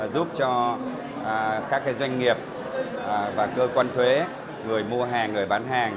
giúp cho các doanh nghiệp và cơ quan thuế người mua hàng người bán hàng